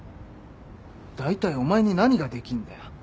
だいたいお前に何ができんだよ？